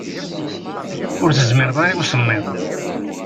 Ur tezmir ara i usemmiḍ.